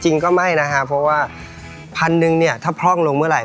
จริงก็ไม่นะครับเพราะว่าพันหนึ่งเนี่ยถ้าพร่องลงเมื่อไห